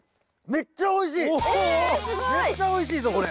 めっちゃおいしいぞこれ。